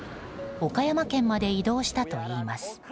岡山県まで移動したといいます。